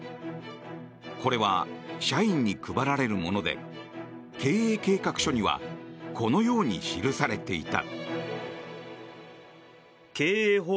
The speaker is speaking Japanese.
これは社員に配られるもので経営計画書にはこのように記されていた。